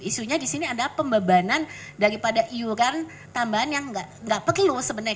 isunya disini ada pembebanan daripada iuran tambahan yang gak perlu sebenarnya